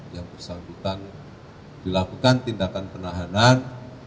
yang bersangkutan dilakukan tindakan penahanan